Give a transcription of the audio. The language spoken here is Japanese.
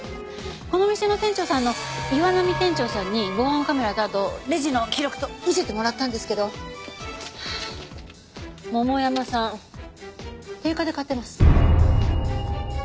この店の店長さんの岩並店長さんに防犯カメラとあとレジの記録と見せてもらったんですけど桃山さん定価で買ってます。